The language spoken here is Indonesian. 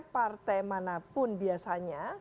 partai manapun biasanya